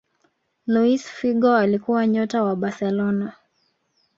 Luis Figo alikuwa nyota wa barcelona